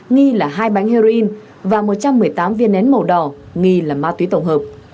nghi là hai bánh heroin và một trăm một mươi tám viên nén màu đỏ nghi là ma túy tổng hợp